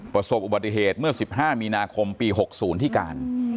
ประสบอุบัติเหตุเมื่อ๑๕มีนาคมปี๖๐ที่การ